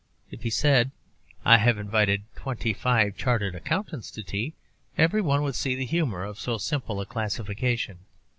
If he said 'I have invited twenty five chartered accountants to tea,' everyone would see the humour of so simple a classification.